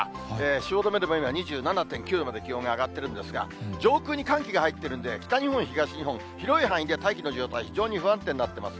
汐留でも今、２７．９度まで気温が上がってるんですが、上空に寒気が入ってるんで、北日本、東日本、広い範囲で大気の状態、非常に不安定になっています。